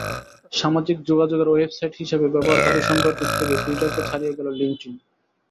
সামাজিক যোগাযোগের ওয়েবসাইট হিসেবে ব্যবহারকারীর সংখ্যার দিক থেকে টুইটারকে ছাড়িয়ে গেল লিঙ্কডইন।